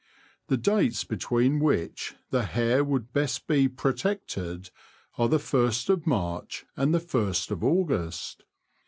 The dates between which the hare would best be protected are the first of March and the first of August.